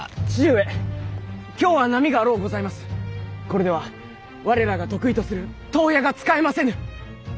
これでは我らが得意とする遠矢が使えませぬ。